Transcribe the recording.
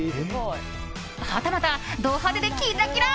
はたまた、ド派手でキラキラ。